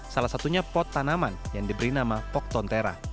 salah satunya pot tanaman yang diberi nama poktontera